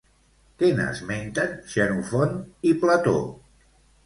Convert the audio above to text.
Què n'esmenten Xenofont i Plató?